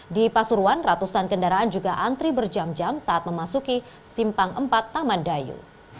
di pasuruan ratusan kendaraan juga antri berjam jam saat memasuki simpang empat taman dayu